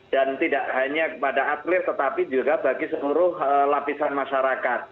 dan tidak hanya kepada atlet tetapi juga bagi seluruh lapisan masyarakat